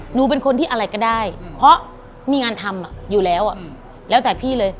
หนูเป็นคนที่อะไรก็ได้เพราะมีงานทำอยู่แล้วแล้วแต่พี่เลย